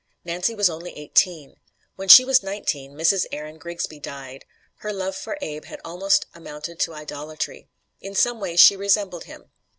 Nancy was only eighteen. When she was nineteen Mrs. Aaron Grigsby died. Her love for Abe had almost amounted to idolatry. In some ways she resembled him.